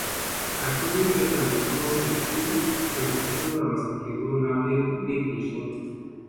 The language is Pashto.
ټاکنې د پرانیستو سیاسي بنسټونو رامنځته کېدو لامل نه کېږي.